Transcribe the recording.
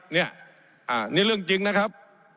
นี่เรื่องจริงนะครับ